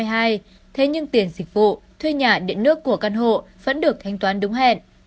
thế nhưng tiền dịch vụ thuê nhà điện nước của căn hộ vẫn được thanh toán đúng hẹn